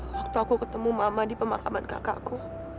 waktu aku ketemu mama di pemakaman kakakku